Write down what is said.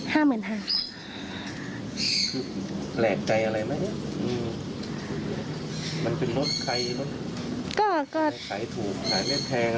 แหลกใจอะไรมั้ย